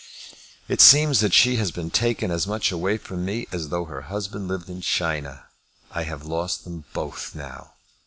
It seems that she has been taken as much away from me as though her husband lived in China. I have lost them both now!"